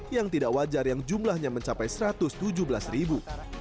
yang tidak wajar yang jumlahnya mencapai satu ratus tujuh belas ribu